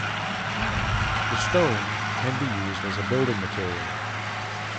The stone can be used as a building material.